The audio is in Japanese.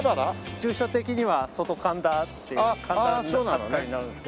住所的には外神田っていう神田扱いになるんですけど。